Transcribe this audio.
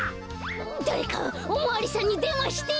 だれかおまわりさんにでんわして！